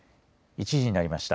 １時になりました。